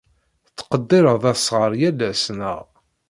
Tettqeddired asɣar yal ass, naɣ?